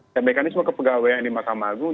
dan mekanisme kepegawaian di makam agung